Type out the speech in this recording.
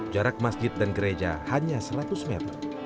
jarak masjid dan gereja hanya seratus meter